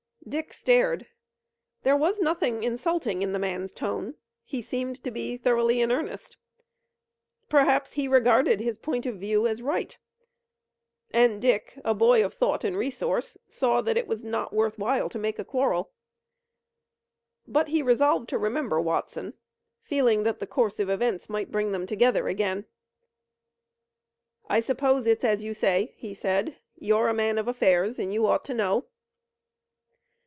Dick stared. There was nothing insulting in the man's tone. He seemed to be thoroughly in earnest. Perhaps he regarded his point of view as right, and Dick, a boy of thought and resource, saw that it was not worth while to make a quarrel. But he resolved to remember Watson, feeling that the course of events might bring them together again. "I suppose it's as you say," he said. "You're a man of affairs and you ought to know."